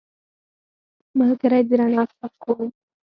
ملګری د رڼا څرک دی